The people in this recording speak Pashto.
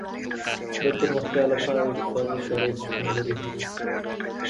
د پرمختیا لپاره اقتصادي شرایط شتون لري.